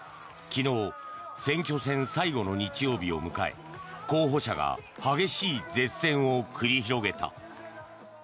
昨日、選挙戦最後の日曜日を迎え候補者が激しい舌戦を繰り広げた。